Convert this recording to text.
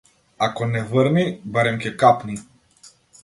Ако не врни, барем ќе капни.